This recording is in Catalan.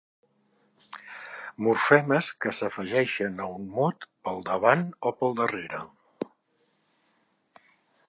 Morfemes que s'afegeixen a un mot pel davant o pel darrere.